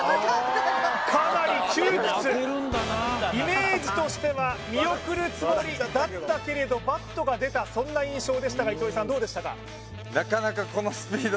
かなり窮屈イメージとしては見送るつもりだったけれどバットが出たそんな印象でしたが糸井さんどうでしたか？